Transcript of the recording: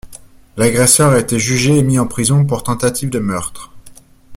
L'agresseur a été jugé et mis en prison pour tentative de meurtre.